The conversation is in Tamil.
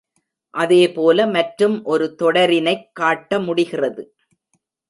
அதே போல மற்றும் ஒரு தொடரினைக் காட்ட முடிகிறது.